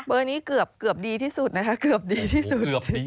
เบอร์นี้เกือบดีที่สุดนะคะเกือบดีที่สุด